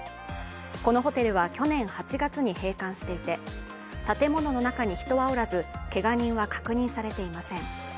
このホテルは去年８月に閉館していて建物の中に人はけが人は確認されていません。